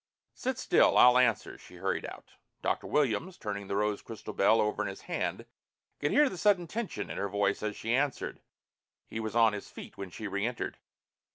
"Sit still, I'll answer." She hurried out. Dr. Williams, turning the rose crystal bell over in his hand, could hear the sudden tension in her voice as she answered. He was on his feet when she reentered.